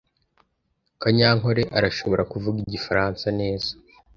Kanyankore arashobora kuvuga igifaransa neza.